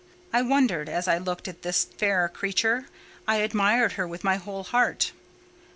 I wondered, as I looked at this fair creature: I admired her with my whole heart.